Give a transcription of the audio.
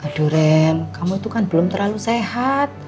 aduh rem kamu itu kan belum terlalu sehat